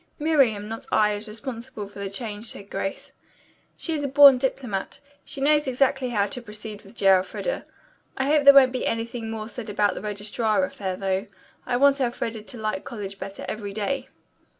"Miriam, not I, is responsible for the change," said Grace. "She is a born diplomat. She knows exactly how to proceed with J. Elfreda. I hope there won't be anything more said about the registrar affair, though. I want Elfreda to like college better every day."